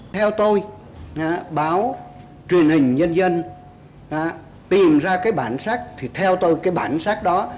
theo tôi báo truyền hình nhân dân tìm ra cái bản sắc